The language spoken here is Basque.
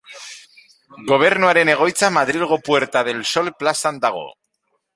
Gobernuaren egoitza Madrilgo Puerta del Sol plazan dago.